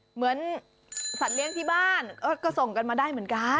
เหมือนสัตว์เลี้ยงที่บ้านก็ส่งกันมาได้เหมือนกัน